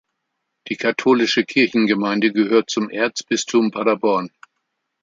Die katholische Kirchengemeinde gehört zum Erzbistum Paderborn.